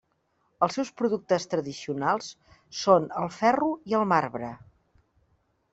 Els seus productes tradicionals són el ferro i el marbre.